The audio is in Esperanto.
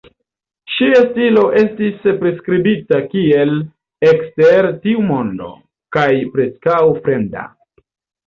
Ŝia stilo estis priskribita kiel "ekster tiu mondo" kaj "preskaŭ fremda".